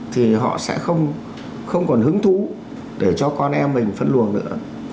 thì họ sẽ không còn hứng thú để cho con em mình phân luồng nữa